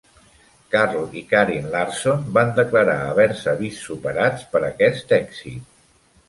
Carl i Karin Larsson van declarar haver-se vist superats per aquest èxit.